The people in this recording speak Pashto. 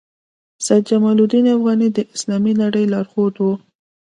سید جمال الدین افغاني د اسلامي نړۍ لارښود وو.